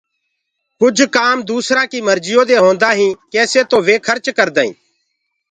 ڪجھ ڪآم دوسرآ ڪيٚ مرجيو دي هونٚدآ هينٚ ڪيسي تو وي کرچ ڪردآئينٚ